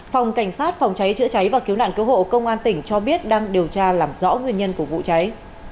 phòng cảnh sát phòng cháy chữa cháy và cứu nạn cứu hộ công an tỉnh cho biết đang điều tra làm rõ nguyên nhân của vụ cháy